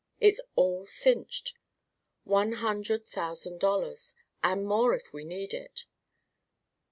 It's all cinched. One hundred thousand dollars and more, if we need it."